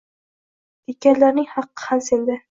Ketganlarning haqqi ham senda…»